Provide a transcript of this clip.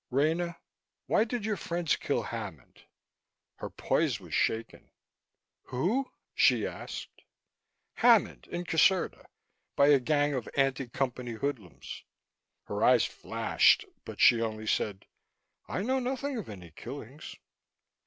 "Rena, why did your friends kill Hammond?" Her poise was shaken. "Who?" she asked. "Hammond. In Caserta. By a gang of anti Company hoodlums." Her eyes flashed, but she only said: "I know nothing of any killings."